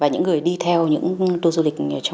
và những người đi theo những tour du lịch